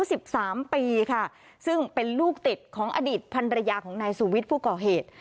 สิบสามปีค่ะซึ่งเป็นลูกติดของอดีตพันรยาของนายสุวิทย์ผู้ก่อเหตุ